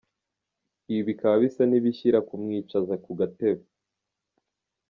Ibi bikaba bisa n’ibishyira kumwicaza ku gatebe.